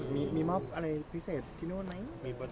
มีบรรทางประเภทอะไรพิเศษที่นู่นไหม